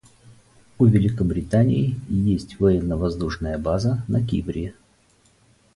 У Великобритании есть военно-воздушная база на Кипре.